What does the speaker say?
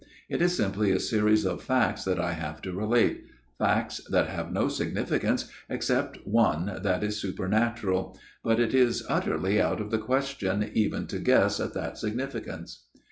It is simply a series of facts that I have to relate ; facts that have no significance except one that is supernatural ; but it is utterly out of the question even to guess at that significance.